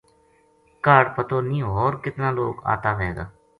کاہڈ پتو نیہہ ہور کِتنا لوک آتا وھے گا